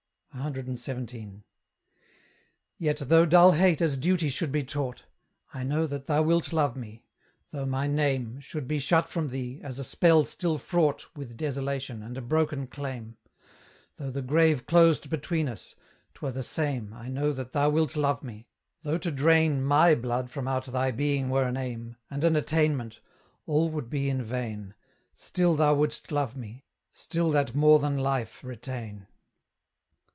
CXVII. Yet, though dull Hate as duty should be taught, I know that thou wilt love me; though my name Should be shut from thee, as a spell still fraught With desolation, and a broken claim: Though the grave closed between us, 'twere the same, I know that thou wilt love me: though to drain MY blood from out thy being were an aim, And an attainment, all would be in vain, Still thou wouldst love me, still that more than life retain.